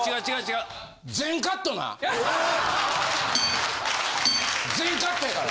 全カットやから。